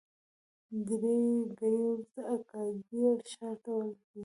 درې ګړۍ وروسته اګادیر ښار ته ورسېدو.